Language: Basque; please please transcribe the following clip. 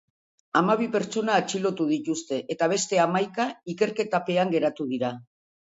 Hamabi pertsona atxilotu dituzte, eta beste hamaika ikerketapean geratu dira.